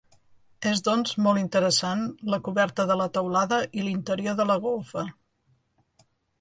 És, doncs, molt interessant la coberta de la teulada i l'interior de la golfa.